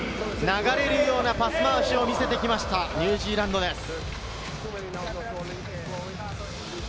流れるようなパス回しを見せてきました、ニュージーランドです。